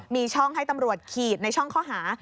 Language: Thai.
มีช่องให้ตำรวจขีดในช่องข้อหา